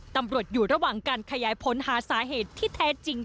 ตำรวจอยู่ระหว่างการขยายผลหาสาเหตุที่แท้จริง